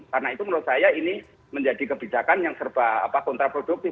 karena itu menurut saya ini menjadi kebijakan yang serba kontraproduktif